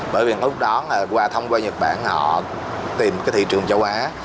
bởi vì lúc đó qua thông qua nhật bản họ tìm thị trường châu á